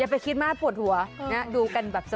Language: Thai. อย่าไปคิดมากปวดหัวดูกันแบบสไลด์